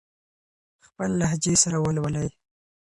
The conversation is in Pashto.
خپل لهجې سره ولولئ.